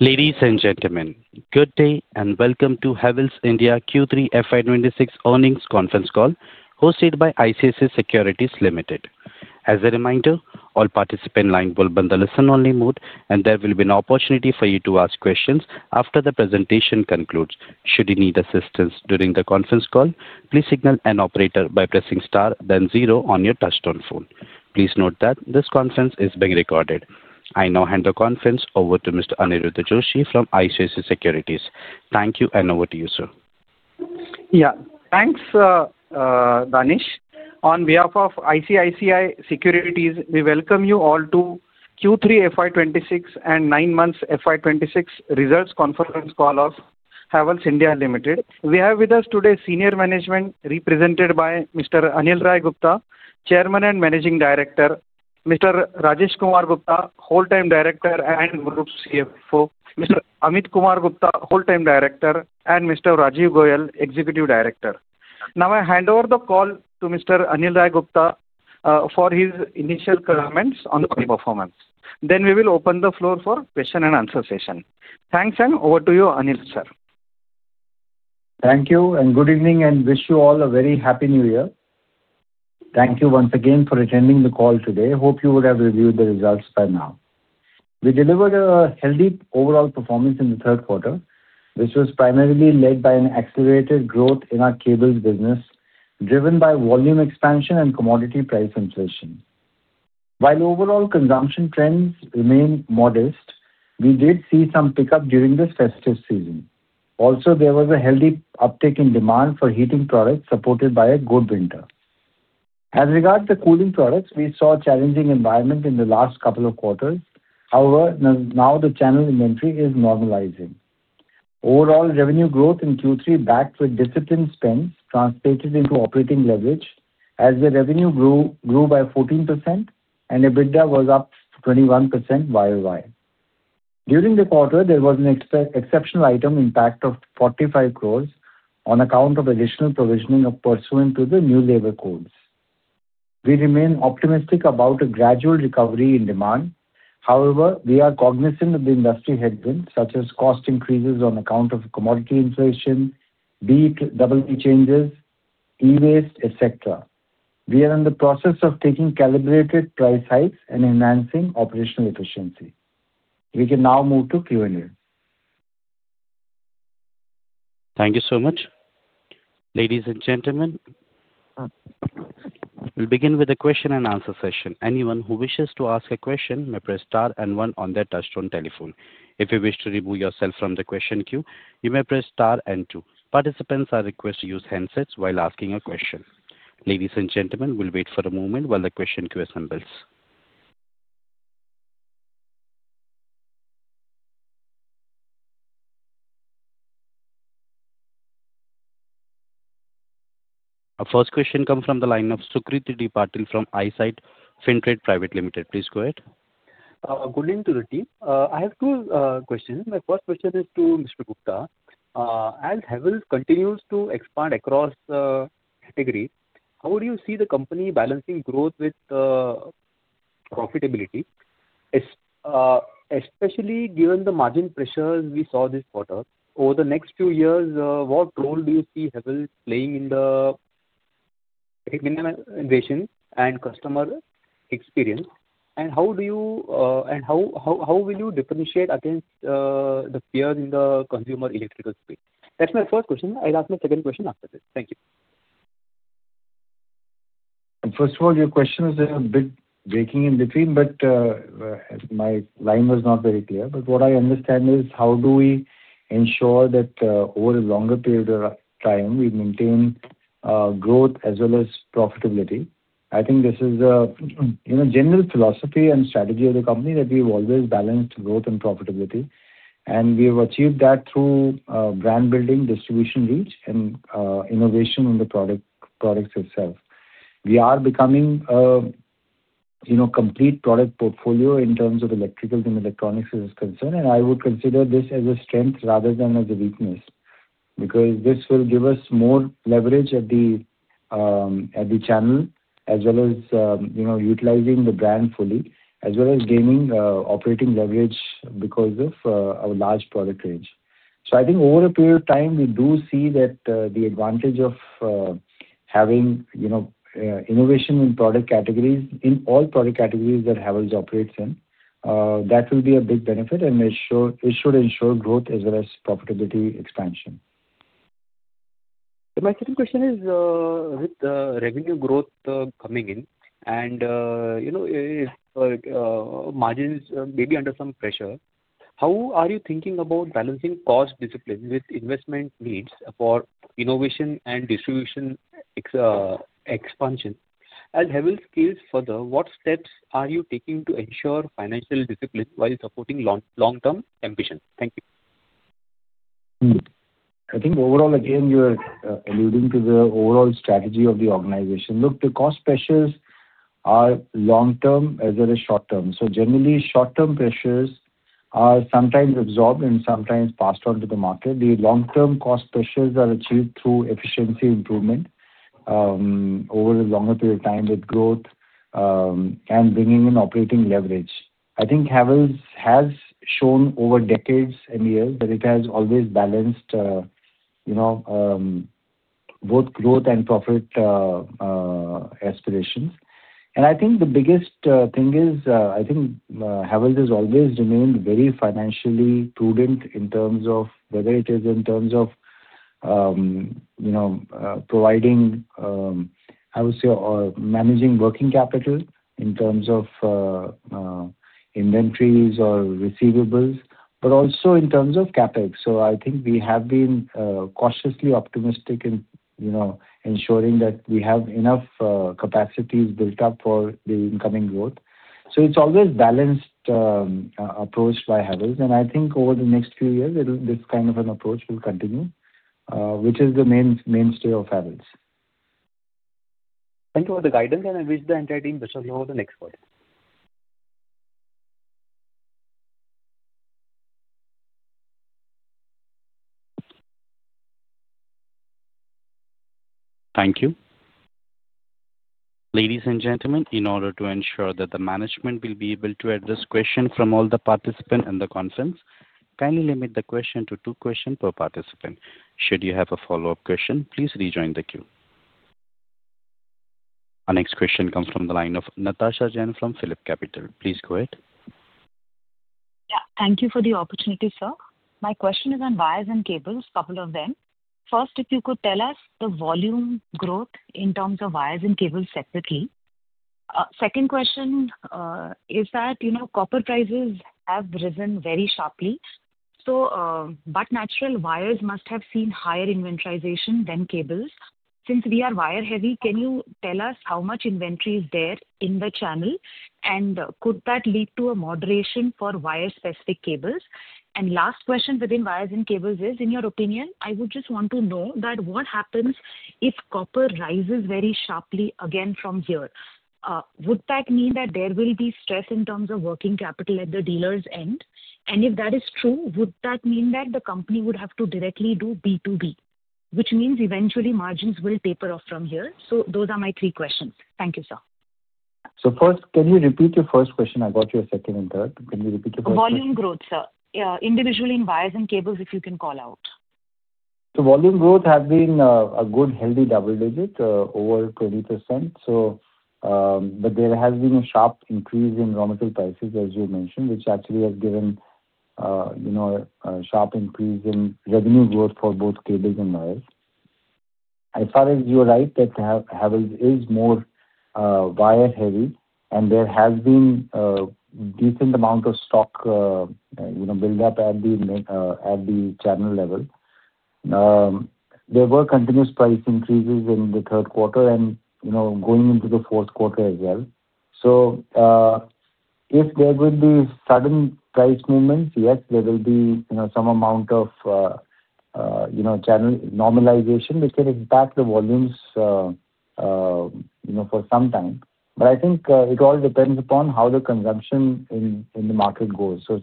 Ladies and gentlemen, good day and welcome to Havells India Q3 FY26 earnings conference call, hosted by ICICI Securities Limited. As a reminder, all participants are in listen-only mode, and there will be an opportunity for you to ask questions after the presentation concludes. Should you need assistance during the conference call, please signal an operator by pressing star, then zero on your touch-tone phone. Please note that this conference is being recorded. I now hand the conference over to Mr. Aniruddha Joshi from ICICI Securities. Thank you, and over to you, sir. Yeah, thanks, Danish. On behalf of ICICI Securities, we welcome you all to Q3 FY26 and nine months FY26 results conference call of Havells India Limited. We have with us today senior management, represented by Mr. Anil Rai Gupta, chairman and managing director. Mr. Rajesh Kumar Gupta, whole-time director and group CFO. Mr. Ameet Kumar Gupta, whole-time director. And Mr. Rajiv Goel, executive director. Now, I hand over the call to Mr. Anil Rai Gupta for his initial comments on the performance. Then we will open the floor for question and answer session. Thanks, and over to you, Anil, sir. Thank you, and good evening, and wish you all a very happy New Year. Thank you once again for attending the call today. Hope you would have reviewed the results by now. We delivered a healthy overall performance in the third quarter, which was primarily led by an accelerated growth in our cables business, driven by volume expansion and commodity price inflation. While overall consumption trends remain modest, we did see some pickup during this festive season. Also, there was a healthy uptake in demand for heating products, supported by a good winter. As regards to cooling products, we saw a challenging environment in the last couple of quarters. However, now the channel inventory is normalizing. Overall revenue growth in Q3 backed with disciplined spends translated into operating leverage, as the revenue grew by 14%, and EBITDA was up 21% year-on-year. During the quarter, there was an exceptional item impact of 45 crores on account of additional provisioning pursuant to the new Labor Codes. We remain optimistic about a gradual recovery in demand. However, we are cognizant of the industry headwinds, such as cost increases on account of commodity inflation, BEE changes, e-waste, etc. We are in the process of taking calibrated price hikes and enhancing operational efficiency. We can now move to Q&A. Thank you so much. Ladies and gentlemen, we'll begin with a question and answer session. Anyone who wishes to ask a question may press star and one on their touch-tone telephone. If you wish to remove yourself from the question queue, you may press star and two. Participants are requested to use handsets while asking a question. Ladies and gentlemen, we'll wait for a moment while the question queue assembles. Our first question comes from the line of Sucrit Deep Patil from Eyesight Fintrade. Please go ahead. Good evening to the team. I have two questions. My first question is to Mr. Gupta. As Havells continues to expand across the category, how do you see the company balancing growth with profitability, especially given the margin pressures we saw this quarter? Over the next few years, what role do you see Havells playing in the innovation and customer experience? And how will you differentiate against the peers in the consumer electrical space? That's my first question. I'll ask my second question after this. Thank you. First of all, your question is a bit breaking in between, but my line was not very clear. But what I understand is, how do we ensure that over a longer period of time we maintain growth as well as profitability? I think this is a general philosophy and strategy of the company that we've always balanced growth and profitability. And we have achieved that through brand building, distribution reach, and innovation in the products itself. We are becoming a complete product portfolio in terms of electricals and electronics as concerned. And I would consider this as a strength rather than as a weakness because this will give us more leverage at the channel as well as utilizing the brand fully, as well as gaining operating leverage because of our large product range. So I think over a period of time, we do see that the advantage of having innovation in product categories, in all product categories that Havells operates in, that will be a big benefit and it should ensure growth as well as profitability expansion. My second question is, with the revenue growth coming in and margins may be under some pressure, how are you thinking about balancing cost discipline with investment needs for innovation and distribution expansion? As Havells scales further, what steps are you taking to ensure financial discipline while supporting long-term ambitions? Thank you. I think overall, again, you're alluding to the overall strategy of the organization. Look, the cost pressures are long-term as well as short-term. So generally, short-term pressures are sometimes absorbed and sometimes passed on to the market. The long-term cost pressures are achieved through efficiency improvement over a longer period of time with growth and bringing in operating leverage. I think Havells has shown over decades and years that it has always balanced both growth and profit aspirations. And I think the biggest thing is, I think Havells has always remained very financially prudent in terms of whether it is in terms of providing, I would say, or managing working capital in terms of inventories or receivables, but also in terms of CapEx. So I think we have been cautiously optimistic in ensuring that we have enough capacities built up for the incoming growth. So it's always a balanced approach by Havells. And I think over the next few years, this kind of an approach will continue, which is the mainstay of Havells. Thank you for the guidance, and I wish the entire team much success as well. Thank you. Ladies and gentlemen, in order to ensure that the management will be able to address questions from all the participants in the conference, kindly limit the question to two questions per participant. Should you have a follow-up question, please rejoin the queue. Our next question comes from the line of Natasha Jain from PhillipCapital. Please go ahead. Yeah, thank you for the opportunity, sir. My question is on wires and cables, a couple of them. First, if you could tell us the volume growth in terms of wires and cables separately? Second question is that copper prices have risen very sharply, but natural wires must have seen higher inventorization than cables. Since we are wire-heavy, can you tell us how much inventory is there in the channel, and could that lead to a moderation for wire-specific cables? And last question within wires and cables is, in your opinion, I would just want to know that what happens if copper rises very sharply again from here? Would that mean that there will be stress in terms of working capital at the dealer's end? And if that is true, would that mean that the company would have to directly do B2B, which means eventually margins will taper off from here? So those are my three questions. Thank you, sir. So first, can you repeat your first question? I got your second and third. Can you repeat your first question? Volume growth, sir. Individually in wires and cables, if you can call out? So volume growth has been a good, healthy double-digit, over 20%. But there has been a sharp increase in raw material prices, as you mentioned, which actually has given a sharp increase in revenue growth for both cables and wires. As far as you're right that Havells is more wire-heavy, and there has been a decent amount of stock built up at the channel level. There were continuous price increases in the third quarter and going into the fourth quarter as well. So if there will be sudden price movements, yes, there will be some amount of channel normalization. It can impact the volumes for some time. But I think it all depends upon how the consumption in the market goes. So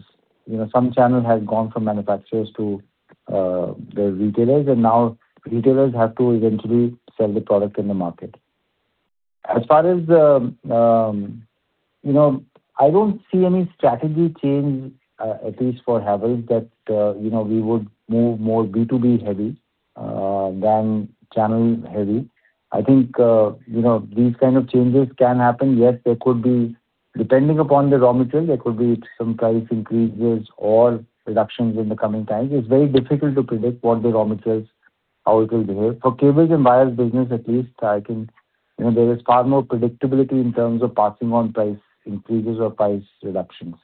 some channel has gone from manufacturers to their retailers, and now retailers have to eventually sell the product in the market. As far as I don't see any strategy change, at least for Havells, that we would move more B2B-heavy than channel-heavy. I think these kinds of changes can happen. Yes, there could be, depending upon the raw material, there could be some price increases or reductions in the coming times. It's very difficult to predict what the raw materials, how it will behave. For cables and wires business, at least, there is far more predictability in terms of passing on price increases or price reductions.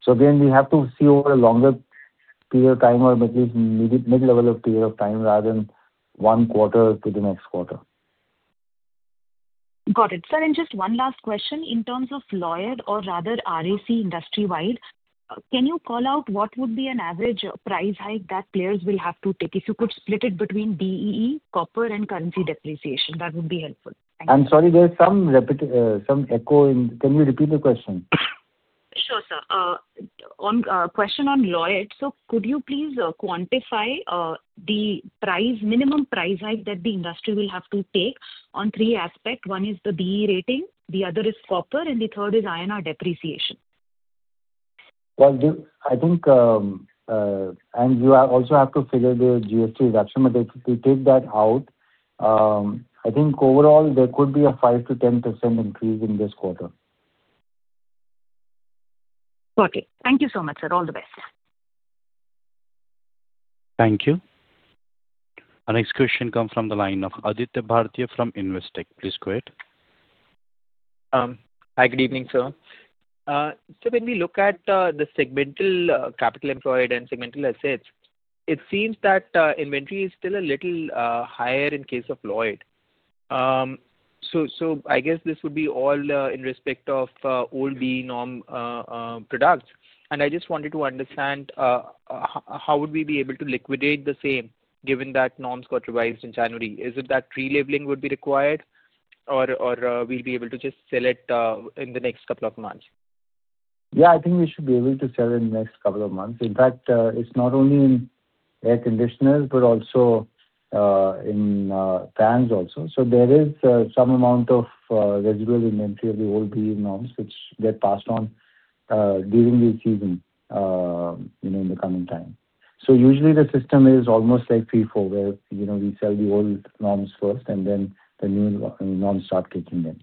So again, we have to see over a longer period of time or at least mid-level of period of time rather than one quarter to the next quarter. Got it. Sir, and just one last question. In terms of Lloyd or rather RAC industry-wide, can you call out what would be an average price hike that players will have to take if you could split it between BEE, copper, and currency depreciation? That would be helpful. I'm sorry, there's some echo. Can you repeat the question? Sure, sir. Question on Lloyd. So could you please quantify the minimum price hike that the industry will have to take on three aspects? One is the BEE rating, the other is copper, and the third is INR depreciation. Well, I think you also have to figure the GST reduction, but if you take that out, I think overall there could be a 5%-10% increase in this quarter. Got it. Thank you so much, sir. All the best. Thank you. Our next question comes from the line of Aditya Bhartia from Investec. Please go ahead. Hi, good evening, sir. So when we look at the segmental capital employed and segmental assets, it seems that inventory is still a little higher in case of Lloyd. So I guess this would be all in respect of old BEE norm products. And I just wanted to understand how would we be able to liquidate the same given that norms got revised in January? Is it that relabeling would be required, or will we be able to just sell it in the next couple of months? Yeah, I think we should be able to sell it in the next couple of months. In fact, it's not only in air conditioners, but also in fans also. So there is some amount of residual inventory of the old BEE norms, which get passed on during the season in the coming time. So usually, the system is almost like 3-4, where we sell the old norms first, and then the new norms start taking them.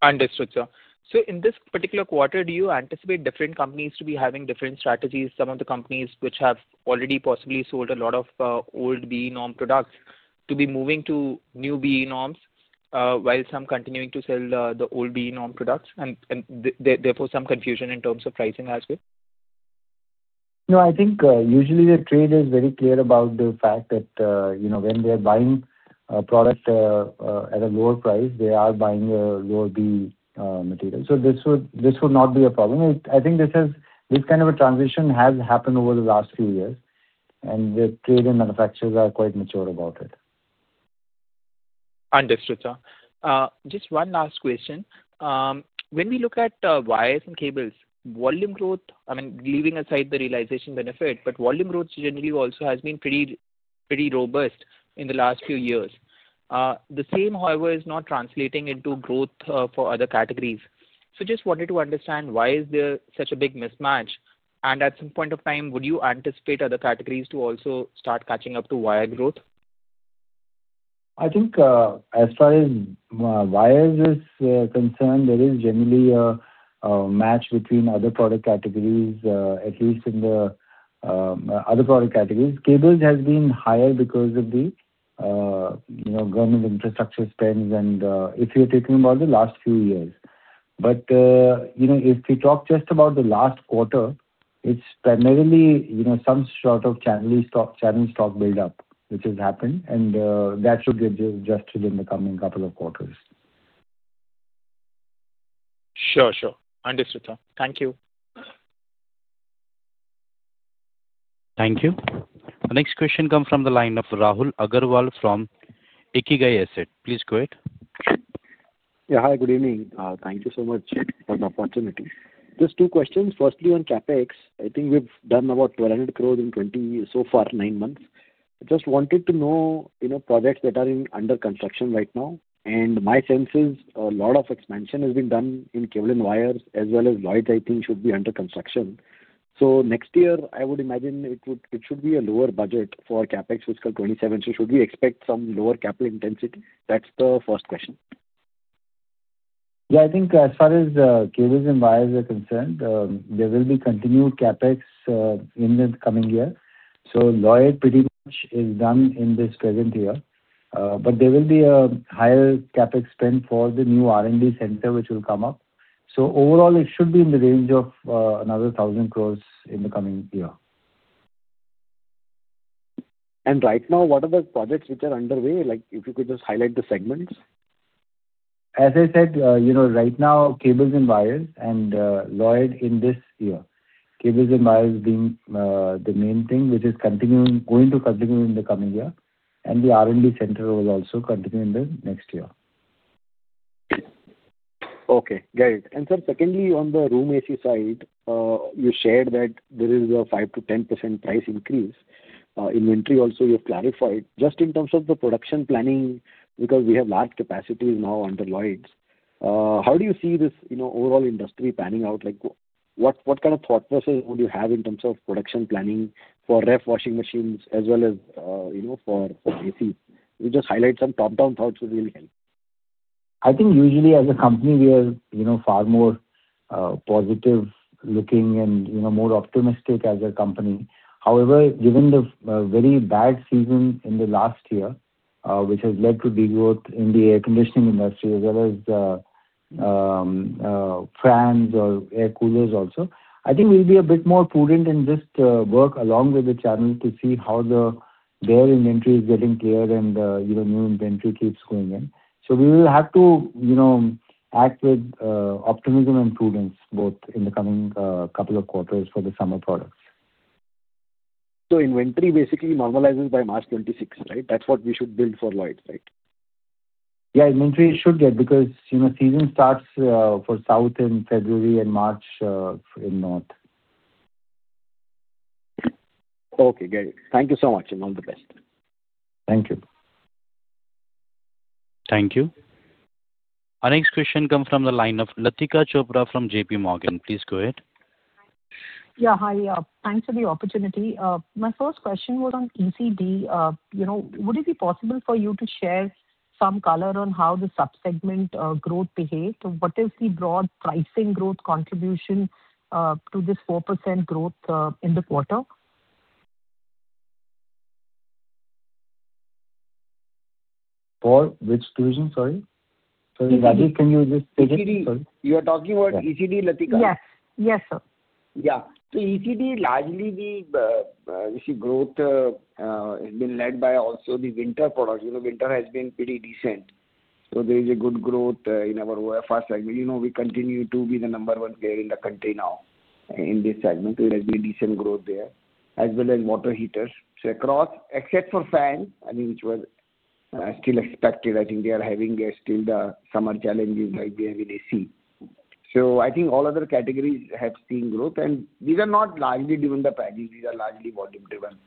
Understood, sir, so in this particular quarter, do you anticipate different companies to be having different strategies, some of the companies which have already possibly sold a lot of old BEE norm products to be moving to new BEE norms while some continuing to sell the old BEE norm products, and therefore, some confusion in terms of pricing as well? No, I think usually the trade is very clear about the fact that when they are buying a product at a lower price, they are buying lower BEE material. So this would not be a problem. I think this kind of a transition has happened over the last few years, and the trade and manufacturers are quite mature about it. Understood, sir. Just one last question. When we look at wires and cables, volume growth, I mean, leaving aside the realization benefit, but volume growth generally also has been pretty robust in the last few years. The same, however, is not translating into growth for other categories. So just wanted to understand why is there such a big mismatch, and at some point of time, would you anticipate other categories to also start catching up to wire growth? I think as far as wires are concerned, there is generally a match between other product categories, at least in the other product categories. Cables have been higher because of the government infrastructure spends, and if you're talking about the last few years, but if we talk just about the last quarter, it's primarily some sort of channel stock buildup, which has happened, and that should get adjusted in the coming couple of quarters. Sure, sure. Understood, sir. Thank you. Thank you. Our next question comes from the line of Rahul Agarwal from Ikigai Asset Manager. Please go ahead. Yeah, hi, good evening. Thank you so much for the opportunity. Just two questions. Firstly, on CapEx, I think we've done about 1,200 crores in 20 so far, nine months. Just wanted to know projects that are under construction right now. And my sense is a lot of expansion has been done in cables and wires, as well as Lloyd, I think, should be under construction. So next year, I would imagine it should be a lower budget for CapEx fiscal 2027. So should we expect some lower capital intensity? That's the first question. Yeah, I think as far as cables and wires are concerned, there will be continued CapEx in the coming year. So Lloyd pretty much is done in this present year. But there will be a higher CapEx spend for the new R&D center, which will come up. So overall, it should be in the range of another 1,000 crores in the coming year. Right now, what are the projects which are underway? If you could just highlight the segments. As I said, right now, cables and wires, and Lloyd in this year. Cables and wires being the main thing, which is going to continue in the coming year. And the R&D center will also continue in the next year. Okay, great. And sir, secondly, on the room AC side, you shared that there is a 5%-10% price increase. Inventory also you've clarified. Just in terms of the production planning, because we have large capacities now under Lloyd, how do you see this overall industry panning out? What kind of thought process would you have in terms of production planning for refrigerators washing machines as well as for ACs? Just highlight some top-down thoughts would really help. I think usually as a company, we are far more positive looking and more optimistic as a company. However, given the very bad season in the last year, which has led to degrowth in the air conditioning industry, as well as fans or air coolers also, I think we'll be a bit more prudent and just work along with the channel to see how their inventory is getting cleared and new inventory keeps going in. So we will have to act with optimism and prudence both in the coming couple of quarters for the summer products. So inventory basically normalizes by March 26, right? That's what we should build for Lloyd's, right? Yeah, inventory should get because season starts for South in February and March in North. Okay, great. Thank you so much, and all the best. Thank you. Thank you. Our next question comes from the line of Latika Chopra from JPMorgan. Please go ahead. Yeah, hi. Thanks for the opportunity. My first question was on ECD. Would it be possible for you to share some color on how the subsegment growth behaved? What is the broad pricing growth contribution to this 4% growth in the quarter? For which division, sorry? Can you just say that? ECD. You are talking about ECD, Latika? Yes, yes, sir. Yeah. So ECD, largely the growth has been led by also the winter products. Winter has been pretty decent. So there is a good growth in our OFR segment. We continue to be the number one player in the country now in this segment. There has been decent growth there, as well as water heaters. So across, except for fans, I think which was still expected, I think they are having still the summer challenges like they have in AC. So I think all other categories have seen growth. And these are not largely driven by pricing. These are largely volume-driven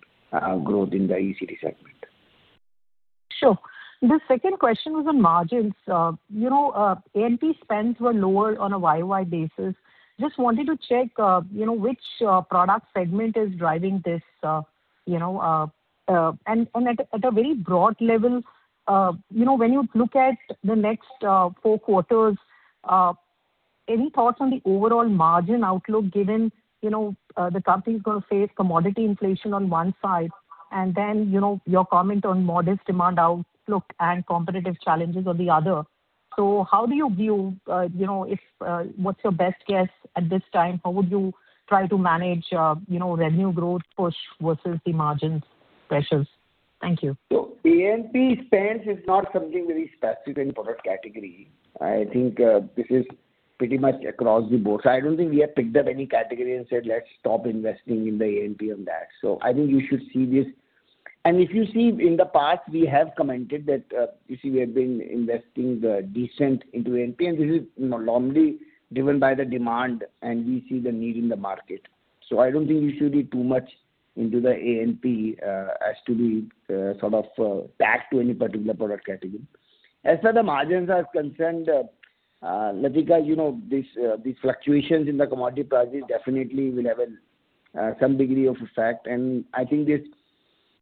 growth in the ECD segment. Sure. The second question was on margins. A&P spends were lower on a YY basis. Just wanted to check which product segment is driving this. And at a very broad level, when you look at the next four quarters, any thoughts on the overall margin outlook given the company is going to face commodity inflation on one side, and then your comment on modest demand outlook and competitive challenges on the other? So how do you view? What's your best guess at this time? How would you try to manage revenue growth push versus the margins pressures? Thank you. A&P spends is not something very specific product category. I think this is pretty much across the board. So I don't think we have picked up any category and said, "Let's stop investing in the A&P on that." So I think you should see this. And if you see, in the past, we have commented that we have been investing decent into A&P, and this is normally driven by the demand, and we see the need in the market. So I don't think you should be too much into the A&P as to be sort of backed to any particular product category. As for the margins are concerned, Latika, these fluctuations in the commodity prices definitely will have some degree of effect. And I think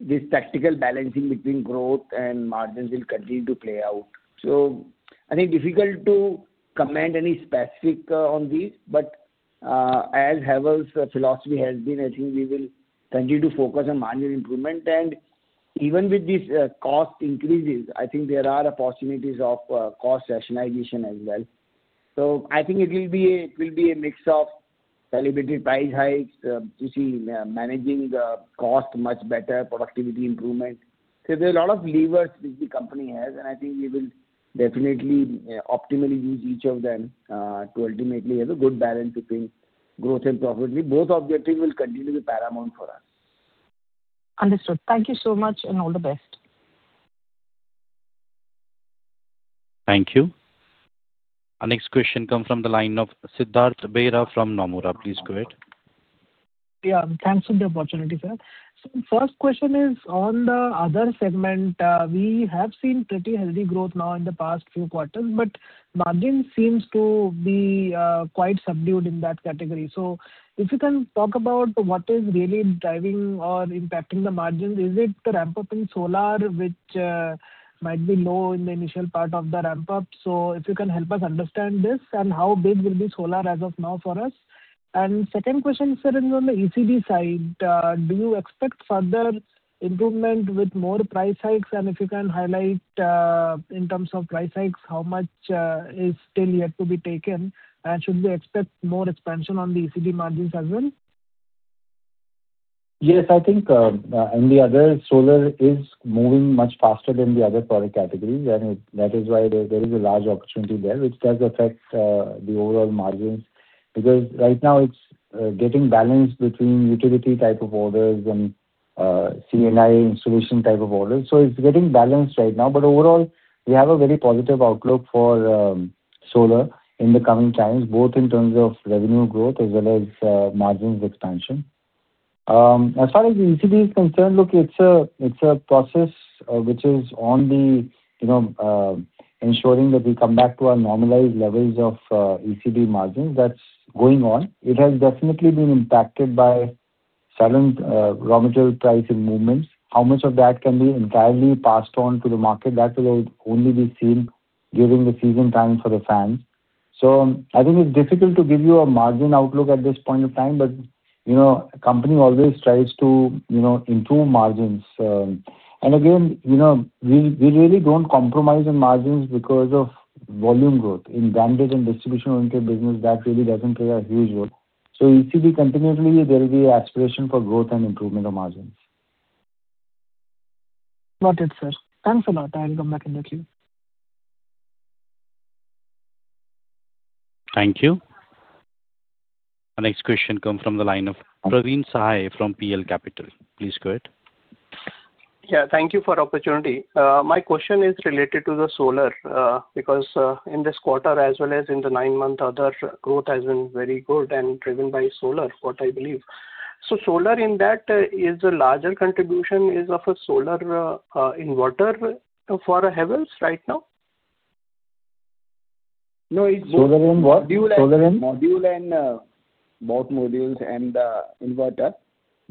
this tactical balancing between growth and margins will continue to play out. So I think [it's] difficult to comment [on] any specific[s] on these, but as Havells' philosophy has been, I think we will continue to focus on margin improvement. And even with these cost increases, I think there are opportunities [for] cost rationalization as well. So I think it will be a mix of selective price hikes, managing the cost much better, [and] productivity improvement. So there are a lot of levers which the company has, and I think we will definitely optimally use each of them to ultimately have a good balance between growth and profit. Both objectives will continue to be paramount for us. Understood. Thank you so much, and all the best. Thank you. Our next question comes from the line of Siddharth Bera from Nomura. Please go ahead. Yeah, thanks for the opportunity, sir. So first question is on the other segment. We have seen pretty heavy growth now in the past few quarters, but margin seems to be quite subdued in that category. So if you can talk about what is really driving or impacting the margins, is it the ramp-up in solar, which might be low in the initial part of the ramp-up? So if you can help us understand this and how big will be solar as of now for us? And second question, sir, on the ECD side, do you expect further improvement with more price hikes? And if you can highlight in terms of price hikes, how much is still yet to be taken, and should we expect more expansion on the ECD margins as well? Yes, I think in the other solar is moving much faster than the other product categories. And that is why there is a large opportunity there, which does affect the overall margins because right now it's getting balanced between utility type of orders and C&I installation type of orders. So it's getting balanced right now. But overall, we have a very positive outlook for solar in the coming times, both in terms of revenue growth as well as margins expansion. As far as the ECD is concerned, look, it's a process which is on the ensuring that we come back to our normalized levels of ECD margins. That's going on. It has definitely been impacted by sudden raw material price movements. How much of that can be entirely passed on to the market, that will only be seen during the season time for the fans. So I think it's difficult to give you a margin outlook at this point of time, but a company always tries to improve margins. And again, we really don't compromise on margins because of volume growth in branded and distribution-oriented business. That really doesn't play a huge role. So ECD continuously, there will be aspiration for growth and improvement of margins. Got it, sir. Thanks a lot. I'll come back in a few. Thank you. Our next question comes from the line of Praveen Sahay from PL Capital. Please go ahead. Yeah, thank you for the opportunity. My question is related to the solar because in this quarter, as well as in the nine-month, other growth has been very good and driven by solar, what I believe. So, solar in that is a larger contribution of a solar inverter for Havells right now? No, it's solar and modules and both modules and inverters.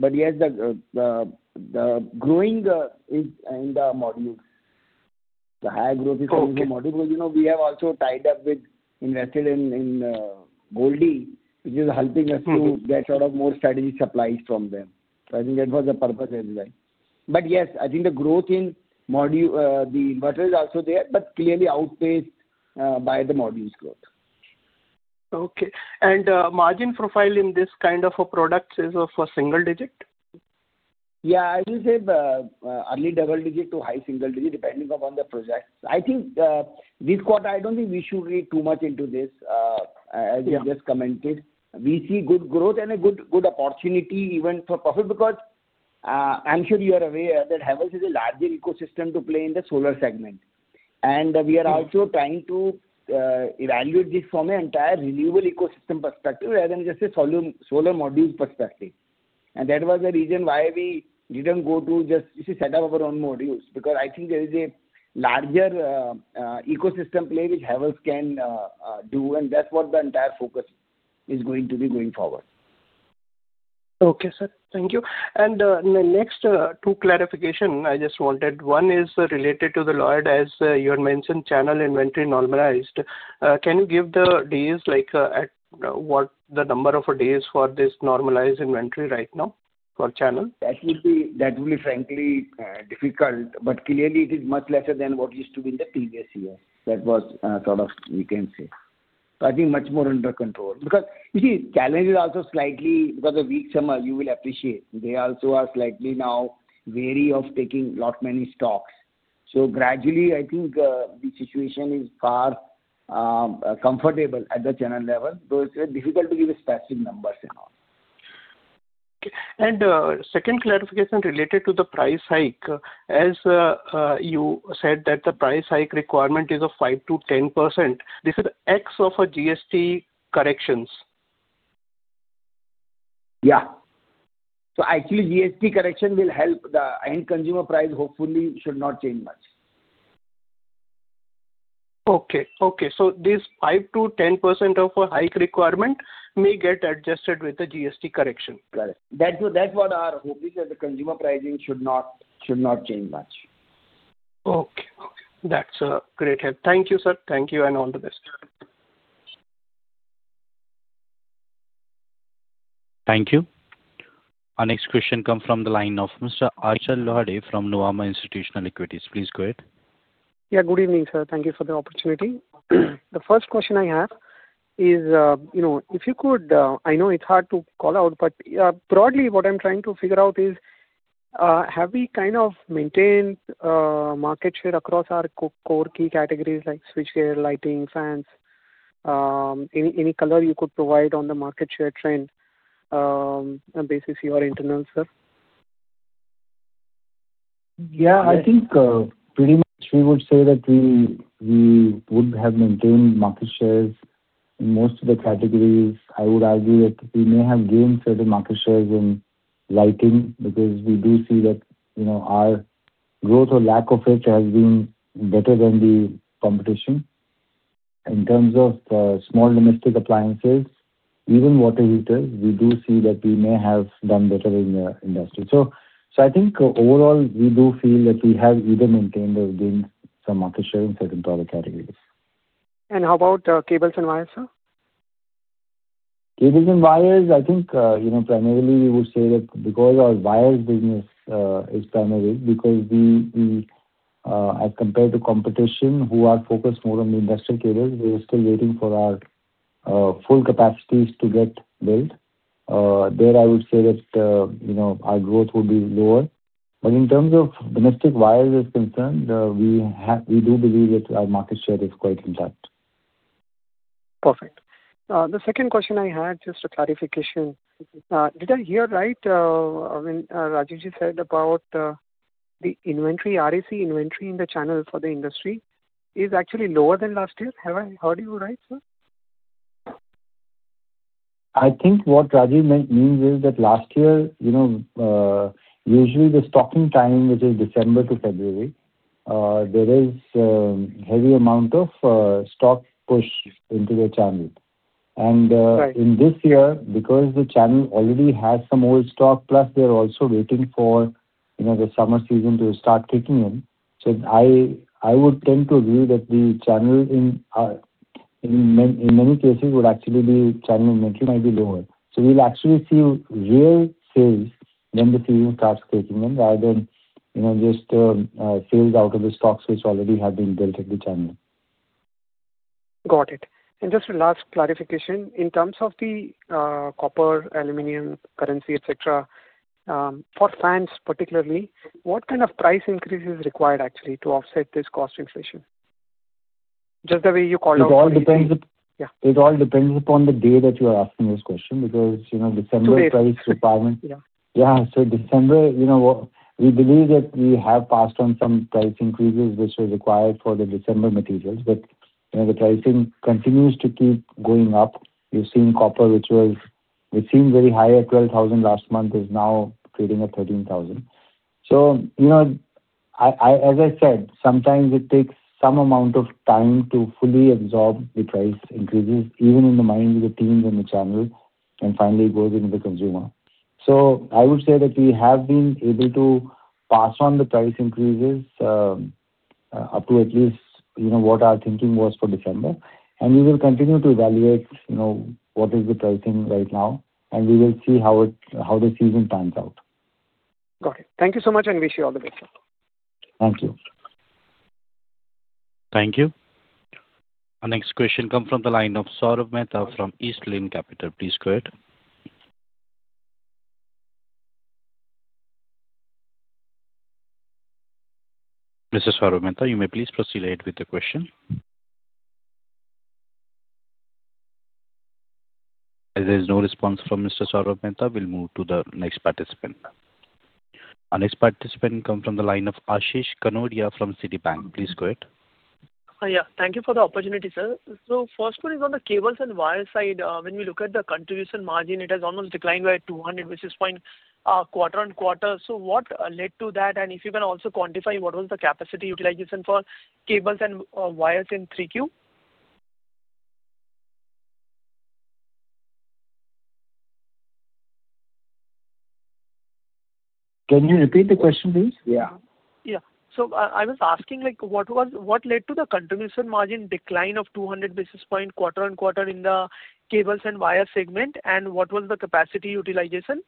But yes, the growth is in the modules. The higher growth is in the modules because we have also tied up with invested in Goldi, which is helping us to get sort of more strategic supplies from them. So I think that was the purpose as well. But yes, I think the growth in the inverter is also there, but clearly outpaced by the modules growth. Okay. And margin profile in this kind of a product is of a single digit? Yeah, I would say early double digit to high single digit, depending upon the projects. I think this quarter, I don't think we should read too much into this, as you just commented. We see good growth and a good opportunity even for profit because I'm sure you are aware that Havells is a larger ecosystem to play in the solar segment. And we are also trying to evaluate this from an entire renewable ecosystem perspective rather than just a solar modules perspective. And that was the reason why we didn't go to just set up our own modules because I think there is a larger ecosystem play which Havells can do, and that's what the entire focus is going to be going forward. Okay, sir. Thank you. And my next two clarifications I just wanted. One is related to the Lloyd, as you had mentioned, channel inventory normalized. Can you give the days at what the number of days for this normalized inventory right now for channel? That would be, frankly, difficult. But clearly, it is much lesser than what used to be in the previous years. That was sort of we can say. So I think much more under control because you see, challenge is also slightly because of weak summer, you will appreciate. They also are slightly now wary of taking a lot many stocks. So gradually, I think the situation is far comfortable at the channel level, though it's difficult to give specific numbers and all. And second clarification related to the price hike. As you said that the price hike requirement is of 5%-10%. This is ex-GST corrections. Yeah. So actually, GST correction will help the end consumer price, hopefully, should not change much. Okay, okay. So this 5%-10% of a hike requirement may get adjusted with the GST correction. Correct. That's what our hope is that the consumer pricing should not change much. Okay, okay. That's great. Thank you, sir. Thank you and all the best. Thank you. Our next question comes from the line of Mr. Achal Lohade from Nuvama Institutional Equities. Please go ahead. Yeah, good evening, sir. Thank you for the opportunity. The first question I have is, if you could, I know it's hard to call out, but broadly, what I'm trying to figure out is, have we kind of maintained market share across our core key categories like switchgear, lighting, fans? Any color you could provide on the market share trend based on your internal, sir? Yeah, I think pretty much we would say that we would have maintained market shares in most of the categories. I would argue that we may have gained certain market shares in lighting because we do see that our growth or lack of it has been better than the competition. In terms of small domestic appliances, even water heaters, we do see that we may have done better in the industry. So I think overall, we do feel that we have either maintained or gained some market share in certain product categories. How about cables and wires, sir? Cables and wires, I think primarily we would say that because our wires business is primary, because as compared to competition who are focused more on the industrial cables, we are still waiting for our full capacities to get built. There, I would say that our growth would be lower. But in terms of domestic wires is concerned, we do believe that our market share is quite intact. Perfect. The second question I had, just a clarification, did I hear right when Rajiv ji said about the inventory, RAC inventory in the channel for the industry is actually lower than last year? Have I heard you right, sir? I think what Rajiv means is that last year, usually the stocking time, which is December to February, there is a heavy amount of stock push into the channel, and in this year, because the channel already has some old stock, plus they're also waiting for the summer season to start kicking in, so I would tend to agree that the channel in many cases would actually be channel inventory might be lower, so we'll actually see real sales when the season starts kicking in rather than just sales out of the stocks which already have been built at the channel. Got it. And just a last clarification, in terms of the copper, aluminum, currency, etc., for fans particularly, what kind of price increase is required actually to offset this cost inflation? Just the way you called out. It all depends upon the day that you are asking this question because December price requirement. Yeah, so December, we believe that we have passed on some price increases which were required for the December materials, but the pricing continues to keep going up. You've seen copper, which was very high at 12,000 last month, is now trading at 13,000. So as I said, sometimes it takes some amount of time to fully absorb the price increases, even in the minds of the teams and the channel, and finally it goes into the consumer. So I would say that we have been able to pass on the price increases up to at least what our thinking was for December, and we will continue to evaluate what is the pricing right now, and we will see how the season pans out. Got it. Thank you so much, and wish you all the best, sir. Thank you. Thank you. Our next question comes from the line of Swarup Mehta from East Lane Capital. Please go ahead. Mr. Swarup Mehta, you may please proceed ahead with the question. As there is no response from Mr. Swarup Mehta, we'll move to the next participant. Our next participant comes from the line of Ashish Kanodia from Citibank. Please go ahead. Yeah, thank you for the opportunity, sir. So first one is on the cables and wires side. When we look at the contribution margin, it has almost declined by 200, which is quarter on quarter. So what led to that? And if you can also quantify what was the capacity utilization for cables and wires in 3Q? Can you repeat the question, please? Yeah. Yeah. I was asking what led to the contribution margin decline of 200 basis point quarter on quarter in the cables and wires segment, and what was the capacity utilization?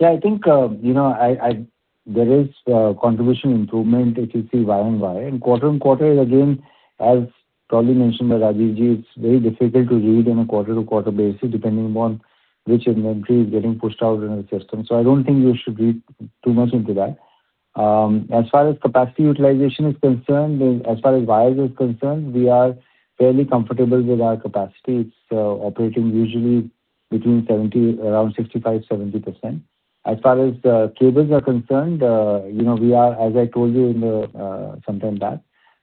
Yeah, I think there is contribution improvement if you see year on year, and quarter on quarter is, again, as probably mentioned by Rajiv ji, it's very difficult to read on a quarter to quarter basis depending upon which inventory is getting pushed out in the system. So I don't think you should read too much into that. As far as capacity utilization is concerned, as far as wires is concerned, we are fairly comfortable with our capacity. It's operating usually between around 65%-70%. As far as cables are concerned, we are, as I told you in the, sometime back,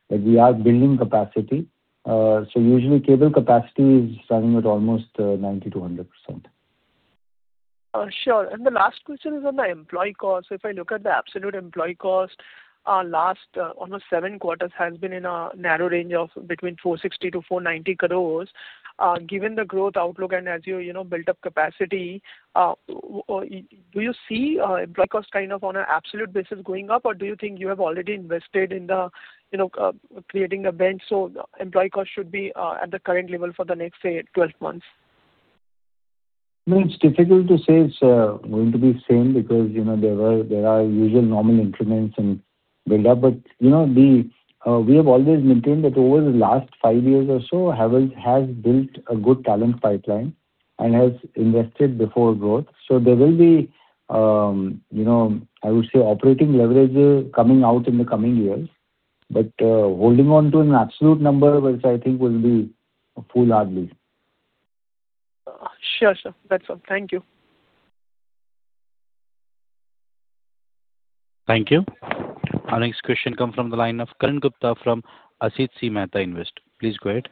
that we are building capacity. So usually cable capacity is running at almost 90%-100%. Sure. And the last question is on the employee cost. So if I look at the absolute employee cost, last almost seven quarters has been in a narrow range of between 460-490 crores. Given the growth outlook and as you build up capacity, do you see employee cost kind of on an absolute basis going up, or do you think you have already invested in creating a bench so employee cost should be at the current level for the next, say, 12 months? It's difficult to say it's going to be the same because there are usual normal increments and buildup. But we have always maintained that over the last five years or so, Havells has built a good talent pipeline and has invested before growth. So there will be, I would say, operating leverages coming out in the coming years. But holding on to an absolute number, which I think will be foolhardy. Sure, sir. That's all. Thank you. Thank you. Our next question comes from the line of Karan Gupta from Asit C. Mehta Investment Interrmediates Ltd. Please go ahead.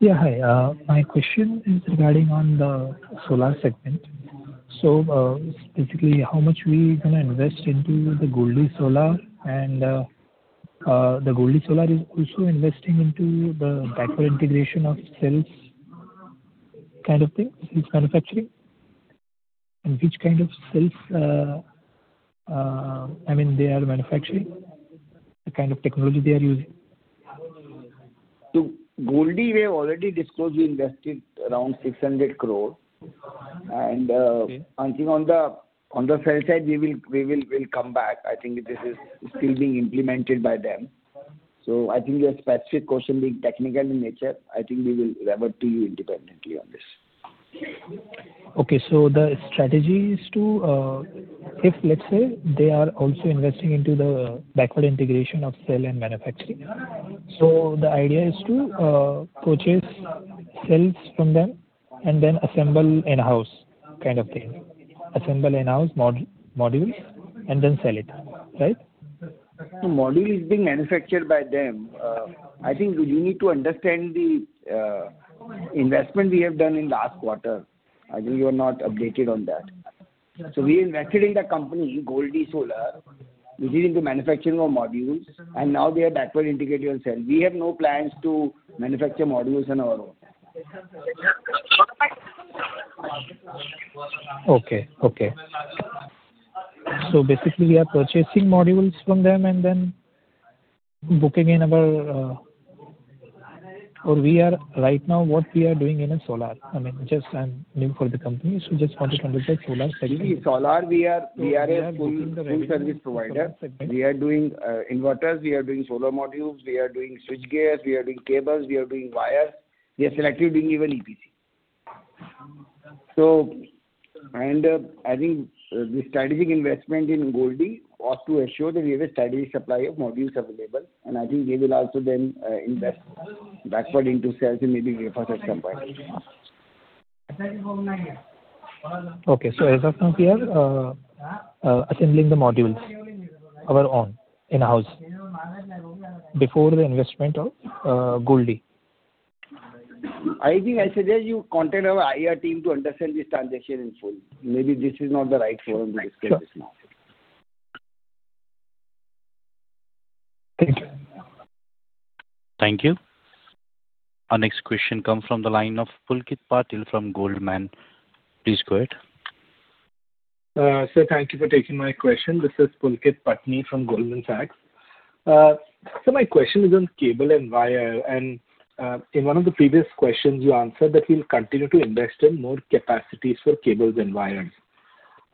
Yeah, hi. My question is regarding on the solar segment. So basically, how much we going to invest into the Goldi Solar? And the Goldi Solar is also investing into the backward integration of cells kind of things it's manufacturing. And which kind of cells, I mean, they are manufacturing, the kind of technology they are using? Goldi, we have already disclosed we invested around 600 crores. And I think on the cell side, we will come back. I think this is still being implemented by them. So I think your specific question being technical in nature, I think we will revert to you independently on this. Okay. So the strategy is to, if let's say they are also investing into the backward integration of cell and manufacturing, so the idea is to purchase cells from them and then assemble in-house kind of thing. Assemble in-house modules and then sell it, right? The module is being manufactured by them. I think you need to understand the investment we have done in last quarter. I think you are not updated on that. So we invested in the company, Goldi Solar. We did into manufacturing of modules, and now they are backward integrated on cell. We have no plans to manufacture modules on our own. Okay, okay. So basically, we are purchasing modules from them and then booking in our or we are right now what we are doing in a solar. I mean, just I'm new for the company, so just wanted to understand solar segment. Actually, solar, we are a full-service provider. We are doing inverters, we are doing solar modules, we are doing switchgears, we are doing cables, we are doing wires. We are selectively doing even EPC. So I think the strategic investment in Goldi was to assure that we have a strategic supply of modules available. And I think they will also then invest backward into cells and maybe refurbish at some point. Okay. So as of now, we are assembling the modules of our own in-house before the investment of Goldi. I think I suggest you contact our IR team to understand this transaction in full. Maybe this is not the right forum to discuss this now. Thank you. Thank you. Our next question comes from the line of Pulkit Patni from Goldman. Please go ahead. Sir, thank you for taking my question. This is Pulkit Patni from Goldman Sachs. So my question is on cable and wire. And in one of the previous questions, you answered that we'll continue to invest in more capacities for cables and wires.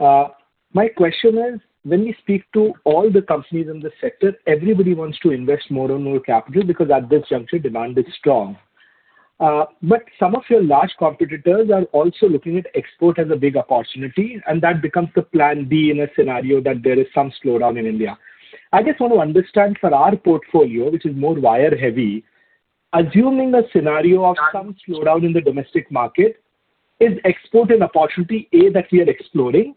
My question is, when we speak to all the companies in the sector, everybody wants to invest more and more capital because at this juncture, demand is strong. But some of your large competitors are also looking at export as a big opportunity, and that becomes the plan B in a scenario that there is some slowdown in India. I just want to understand for our portfolio, which is more wire-heavy, assuming a scenario of some slowdown in the domestic market, is export an opportunity A that we are exploring?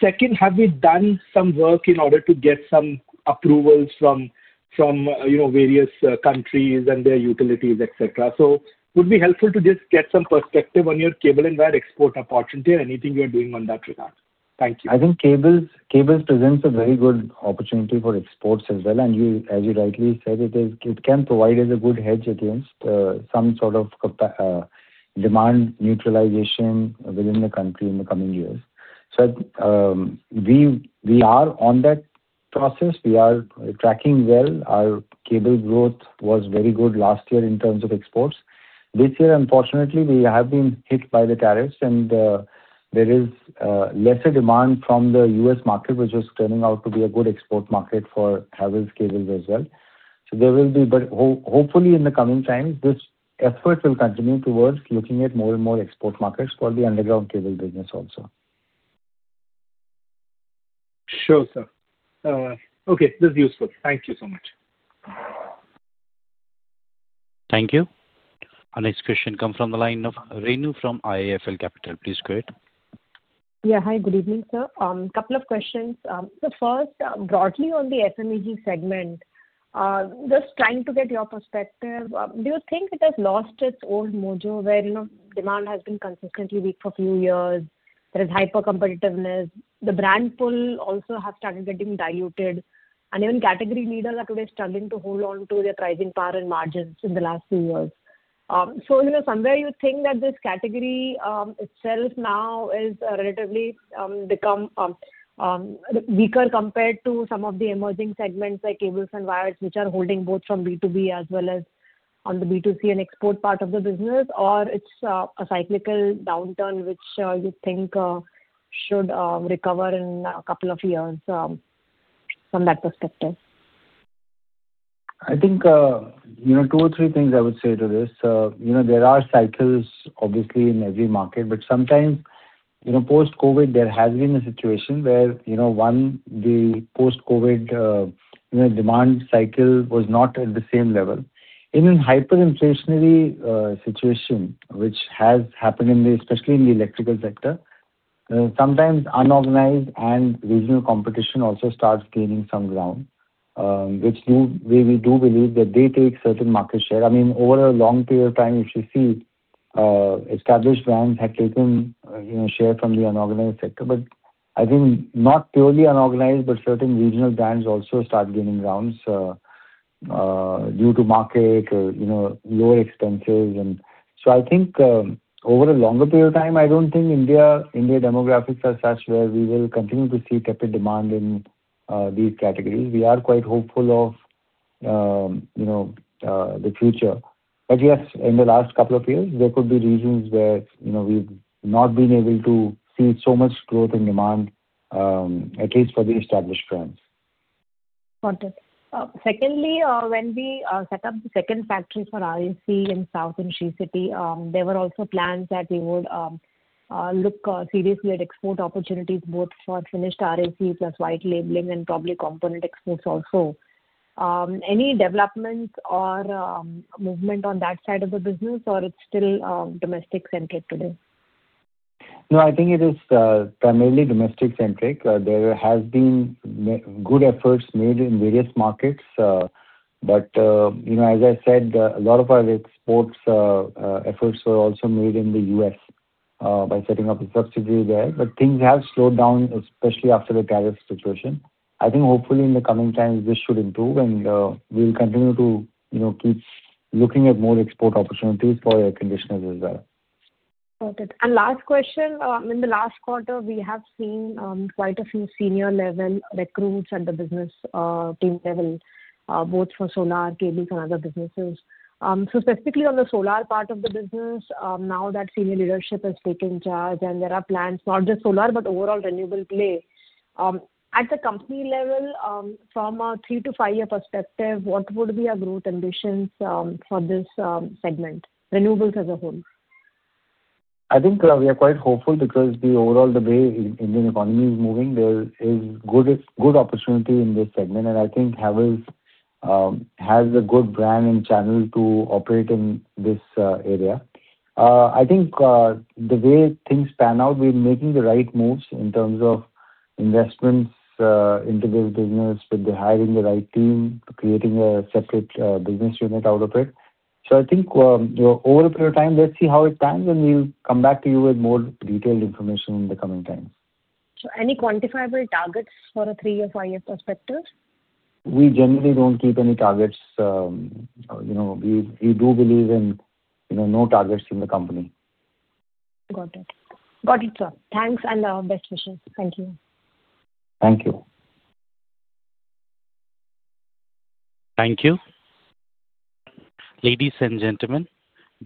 Second, have we done some work in order to get some approvals from various countries and their utilities, etc.? So would it be helpful to just get some perspective on your cable and wire export opportunity and anything you are doing on that regard? Thank you. I think cables presents a very good opportunity for exports as well. And as you rightly said, it can provide us a good hedge against some sort of demand neutralization within the country in the coming years. So we are on that process. We are tracking well. Our cable growth was very good last year in terms of exports. This year, unfortunately, we have been hit by the tariffs, and there is lesser demand from the U.S. market, which is turning out to be a good export market for Havells cables as well. So there will be, but hopefully in the coming times, this effort will continue towards looking at more and more export markets for the underground cable business also. Sure, sir. Okay, that's useful. Thank you so much. Thank you. Our next question comes from the line of Renu from IIFL Securities. Please go ahead. Yeah, hi. Good evening, sir. A couple of questions. So first, broadly on the FMEG segment, just trying to get your perspective, do you think it has lost its old mojo where demand has been consistently weak for a few years? There is hyper-competitiveness. The brand pool also has started getting diluted. Even category leaders are today struggling to hold on to their pricing power and margins in the last few years. So somewhere you think that this category itself now has relatively become weaker compared to some of the emerging segments like cables and wires, which are holding both from B2B as well as on the B2C and export part of the business, or it's a cyclical downturn which you think should recover in a couple of years from that perspective? I think two or three things I would say to this. There are cycles, obviously, in every market, but sometimes post-COVID, there has been a situation where one, the post-COVID demand cycle was not at the same level. In a hyper-inflationary situation, which has happened especially in the electrical sector, sometimes unorganized and regional competition also starts gaining some ground, which we do believe that they take certain market share. I mean, over a long period of time, if you see established brands have taken share from the unorganized sector, but I think not purely unorganized, but certain regional brands also start gaining ground due to market or lower expenses. And so I think over a longer period of time, I don't think India demographics are such where we will continue to see tepid demand in these categories. We are quite hopeful of the future. But yes, in the last couple of years, there could be reasons where we've not been able to see so much growth in demand, at least for the established brands. Got it. Secondly, when we set up the second factory for RAC in South in Sri City, there were also plans that we would look seriously at export opportunities both for finished RAC plus white labeling and probably component exports also. Any developments or movement on that side of the business, or it's still domestic-centric today? No, I think it is primarily domestic-centric. There have been good efforts made in various markets. But as I said, a lot of our export efforts were also made in the US by setting up a subsidiary there. But things have slowed down, especially after the tariff situation. I think hopefully in the coming times, this should improve, and we'll continue to keep looking at more export opportunities for air conditioners as well. Got it. And last question. In the last quarter, we have seen quite a few senior-level recruits at the business team level, both for solar, cables, and other businesses. So specifically on the solar part of the business, now that senior leadership has taken charge, and there are plans, not just solar, but overall renewable play. At the company level, from a three- to five-year perspective, what would be our growth ambitions for this segment, renewables as a whole? I think we are quite hopeful because overall, the way Indian economy is moving, there is good opportunity in this segment, and I think Havells has a good brand and channel to operate in this area. I think the way things pan out, we're making the right moves in terms of investments into this business with the hiring the right team, creating a separate business unit out of it, so I think over a period of time, let's see how it pans, and we'll come back to you with more detailed information in the coming times. So any quantifiable targets for a three-year, five-year perspective? We generally don't keep any targets. We do believe in no targets in the company. Got it. Got it, sir. Thanks and best wishes. Thank you. Thank you. Thank you. Ladies and gentlemen,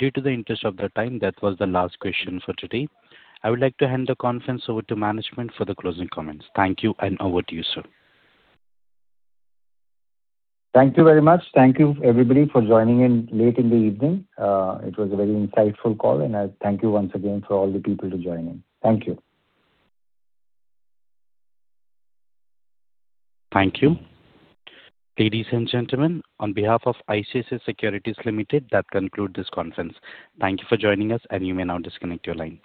in the interest of time, that was the last question for today. I would like to hand the conference over to management for the closing comments. Thank you, and over to you, sir. Thank you very much. Thank you, everybody, for joining in late in the evening. It was a very insightful call, and I thank you once again for all the people to join in. Thank you. Thank you. Ladies and gentlemen, on behalf of ICICI Securities Limited, that concludes this conference. Thank you for joining us, and you may now disconnect your line.